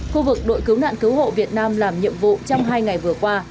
khu vực đội cứu nạn cứu hộ việt nam làm nhiệm vụ trong hai ngày vừa qua